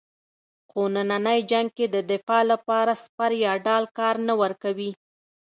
خو نننی جنګ کې د دفاع لپاره سپر یا ډال کار نه ورکوي.